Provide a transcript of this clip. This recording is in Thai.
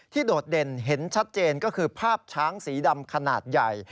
โดดเด่นเห็นชัดเจนก็คือภาพช้างสีดำขนาดใหญ่